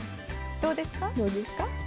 どうですか？